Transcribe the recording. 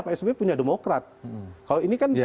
pak sby punya demokrat kalau ini kan